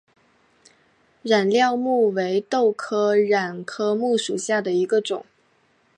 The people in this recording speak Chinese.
染料木为豆科染料木属下的一个种。